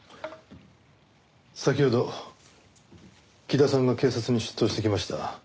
先ほど木田さんが警察に出頭してきました。